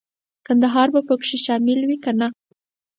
کندهار به پکې شامل وي کنه.